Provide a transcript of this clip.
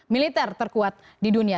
militer terkuat di dunia